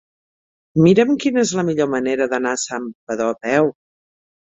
Mira'm quina és la millor manera d'anar a Santpedor a peu.